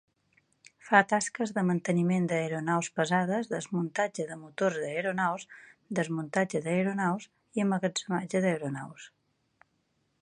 Fa tasques de manteniment d'aeronaus pesades, desmuntatge de motors d'aeronaus, desmuntatge d'aeronaus i emmagatzematge d'aeronaus.